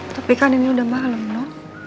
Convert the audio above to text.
tapi kan ini udah malem no